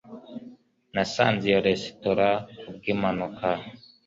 nasanze iyo resitora ku bw'impanuka